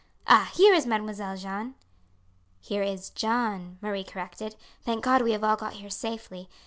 Ah, here is Mademoiselle Jeanne!" "Here is Jeanne," Marie corrected; "thank God we have all got here safely.